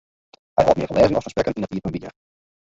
Hy hâldt mear fan lêzen as fan sprekken yn it iepenbier.